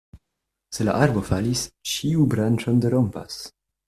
Se la arbo falis, ĉiu branĉon derompas.